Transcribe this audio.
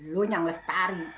lo yang lestari